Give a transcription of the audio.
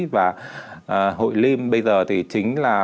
và hội liêm bây giờ thì chính là